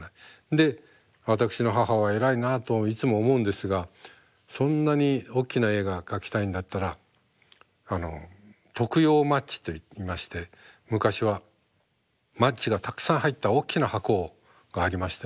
で私の母は偉いなあといつも思うんですがそんなにおっきな絵が描きたいんだったらあの徳用マッチといいまして昔はマッチがたくさん入ったおっきな箱がありましてね